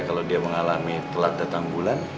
kalau dia mengalami telat datang bulan